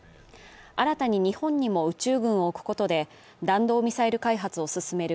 新たに日本にも宇宙軍を置くことで弾道ミサイル開発を進める